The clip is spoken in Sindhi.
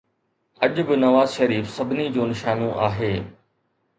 اڄ به نواز شريف سڀني جو نشانو آهي.